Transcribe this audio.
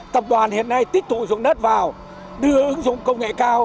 tập đoàn hiện nay tiếp tục dùng đất vào đưa ứng dụng công nghệ cao